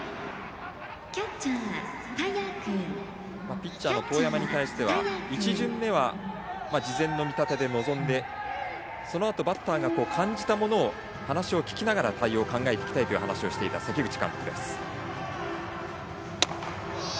ピッチャーの當山に対しては１巡目は事前の見立てで臨んでそのあとバッターが感じたものの話を聞きながら対応を考えていきたいと話していた、関口監督です。